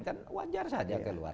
kan wajar saja keluar